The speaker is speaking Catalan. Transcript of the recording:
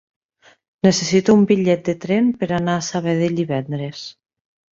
Necessito un bitllet de tren per anar a Sabadell divendres.